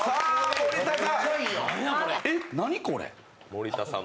森田さん！